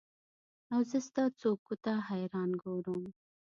اوزه ستا څوکو ته حیران ګورم